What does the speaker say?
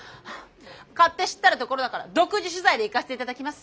勝手知ったるところだから独自取材でいかせて頂きます！